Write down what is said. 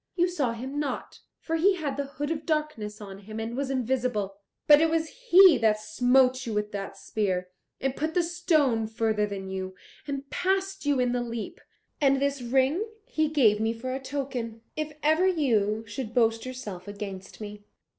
You saw him not, for he had the Hood of Darkness on him and was invisible. But it was he that smote you with the spear, and put the stone further than you, and passed you in the leap. And this ring he gave me for a token, if ever you should boast yourself against me.